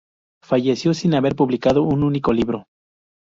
Falleció sin haber publicado un único libro.